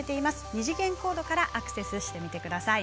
二次元コードからアクセスしてみてください。